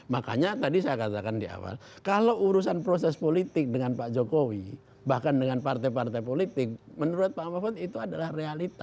makanya tadi saya katakan di awal kalau urusan proses politik dengan pak jokowi bahkan dengan partai partai politik menurut pak mahfud itu adalah realita